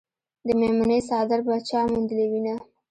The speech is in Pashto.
د میمونې څادر به چا موندلې وينه